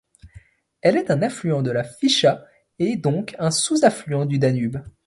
Elle est un affluent de la Fischa et donc un sous-affluent du Danube.